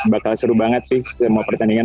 bakal seru banget sih semua pertandingan